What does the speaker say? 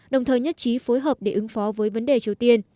đồng thời nhất trí phối hợp để ứng phó với vấn đề triều tiên